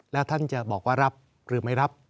แล้วท่านจะบอกว่ารับหรือไม่รับ